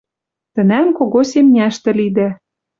Тӹнӓм кого семняштӹ лидӓ